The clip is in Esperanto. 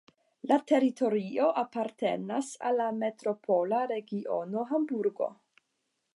La teritorio apartenas al la metropola regiono Hamburgo.